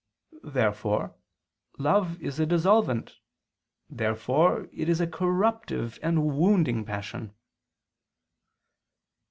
Therefore love is a dissolvent: therefore it is a corruptive and a wounding passion.